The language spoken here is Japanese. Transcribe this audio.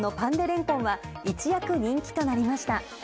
ｄｅレンコンは一躍人気となりました。